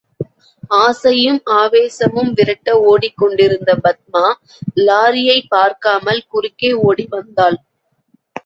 ஆசையும், ஆவேசமும் விரட்ட ஓடிக் கொண்டிருந்த பத்மா, லாரியைப் பார்க்காமல் குறுக்கே ஓடி வந்தாள்.